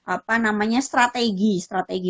apa namanya strategi strategi